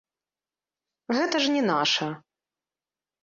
Гэта ж не наша!